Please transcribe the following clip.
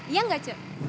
iya gak cuk